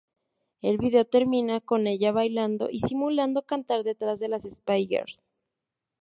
El vídeo termina con ella bailando y simulando cantar detrás de las Spice Girls.